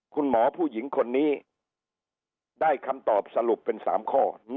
คุณหมอผู้หญิงคนนี้ได้คำตอบสรุปเป็น๓ข้อ